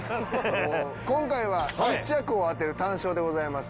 今回は１着を当てる単勝でございます。